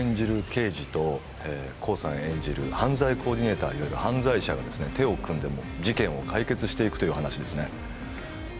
刑事とコウさん演じる犯罪コーディネーター、いわゆる犯罪者が手を組んで事件を解決していくという話ですね。